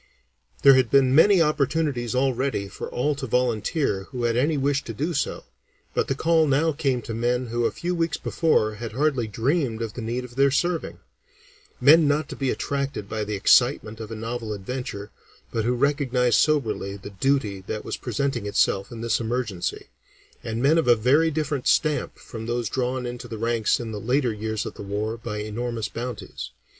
There had been many opportunities already for all to volunteer who had any wish to do so, but the call now came to men who a few weeks before had hardly dreamed of the need of their serving; men not to be attracted by the excitement of a novel adventure, but who recognized soberly the duty that was presenting itself in this emergency, and men of a very different stamp from those drawn into the ranks in the later years of the war by enormous bounties.